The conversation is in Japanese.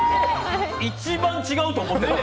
一番違うと思った！